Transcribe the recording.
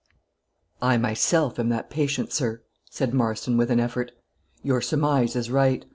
"I, myself, am that patient, sir," said Marston, with an effort; "your surmise is right.